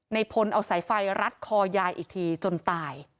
พลเอาสายไฟรัดคอยายอีกทีจนตาย